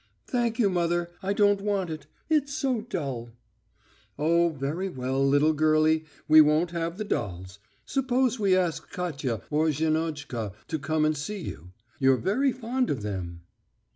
"Thank you, mother.... I don't want it.... It's so dull...." "Oh, very well, little girlie, we won't have the dolls. Suppose we ask Katya or Zhenochka to come and see you. You're very fond of them."